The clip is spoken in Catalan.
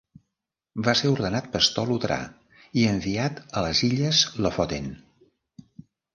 Va ser ordenat pastor luterà i enviat a les illes Lofoten.